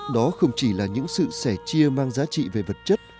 đó không chỉ là những sự sẻ chia mang giá trị về vật chất